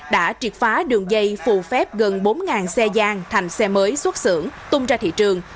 đã triệt phá đường dây phù phép gần bốn xe gian thành xe mới xuất xưởng tung ra thị trường